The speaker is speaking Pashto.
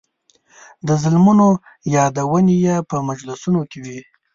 د ظلمونو یادونې یې په مجلسونو کې وې.